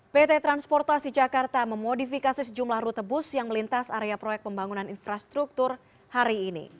pt transportasi jakarta memodifikasi sejumlah rute bus yang melintas area proyek pembangunan infrastruktur hari ini